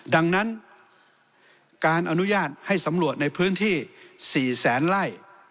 ดังนั้นการอนุญาตให้สำรวจในพื้นที่๔แสนไล่